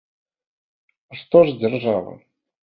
А што ж дзяржава?